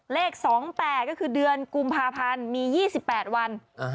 เลข๒๘ก็คือเดือนกุมภาพันธ์มี๒๘วัน